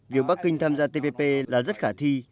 việc bắc kinh tham gia tpp là rất khả thi